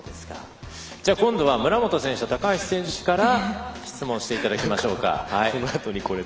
今度は村元選手と高橋選手から質問していただきましょうか。